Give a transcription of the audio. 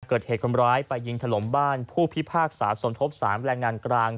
เกิดเหตุคนร้ายไปยิงถล่มบ้านผู้พิพากษาสมทบ๓แรงงานกลาง